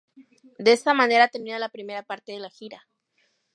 De esta manera termina la primera parte de la gira.